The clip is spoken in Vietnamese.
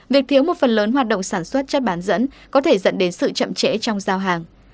việc thiếu một phần lớn hoạt động sản xuất chất bán dẫn có thể dẫn đến sự chậm trễ trong giao hàng